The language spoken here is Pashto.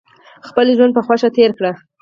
خپل ژوند په خوښۍ تیر کړئ